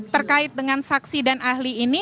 terkait dengan saksi dan ahli ini